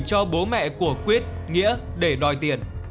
cho bố mẹ của quyết nghĩa để đòi tiền